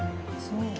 そう